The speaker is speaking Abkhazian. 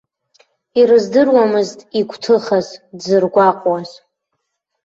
Ирыздыруамызт игәҭыхаз, дзыргәаҟуаз.